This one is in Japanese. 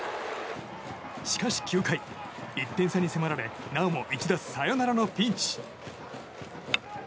しかし９回、１点差に迫られなおも一打サヨナラのピンチ。